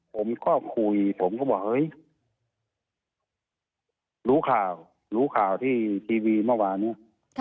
ผมก็คุยผมก็บอกเฮ้ยรู้ข่าวรู้ข่าวที่ทีวีเมื่อวานนี้